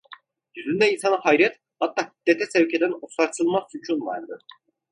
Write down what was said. Yüzünde insanı hayret, hatta hiddete sevk eden o sarsılmaz sükûn vardı.